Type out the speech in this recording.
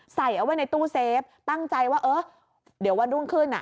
ใส่เอาไว้ในตู้เซฟตั้งใจว่าเออเดี๋ยววันรุ่งขึ้นอ่ะ